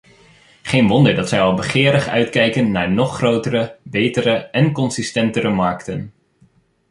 Geen wonder dat zij al begerig uitkijken naar nog grotere, betere en consistentere markten.